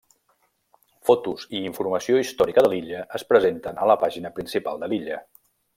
Fotos i informació històrica de l'illa es presenten a la pàgina principal de l'illa.